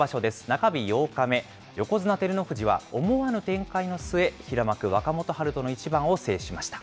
中日８日目、横綱・照ノ富士は思わぬ展開の末、平幕・若元春との一番を制しました。